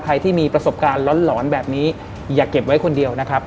ใครที่มีประสบการณ์หลอนแบบนี้อย่าเก็บไว้คนเดียวนะครับ